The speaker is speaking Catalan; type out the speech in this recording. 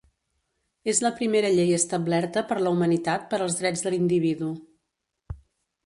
És la primera llei establerta per la humanitat per als drets de l'individu.